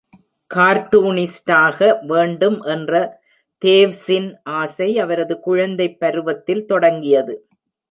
கார்ட்டூனிஸ்டாக வேண்டும் என்ற தேவ்ஸின் ஆசை அவரது குழந்தைப் பருவத்தில் தொடங்கியது.